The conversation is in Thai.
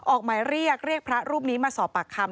ออกหมายเรียกเรียกพระรูปนี้มาสอบปากคำ